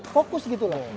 fokus gitu lah